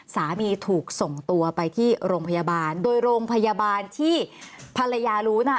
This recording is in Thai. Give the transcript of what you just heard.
สามีถูกส่งตัวไปที่โรงพยาบาลโดยโรงพยาบาลที่ภรรยารู้น่ะ